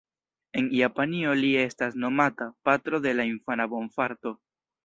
En Japanio li estas nomata "Patro dela Infana Bonfarto".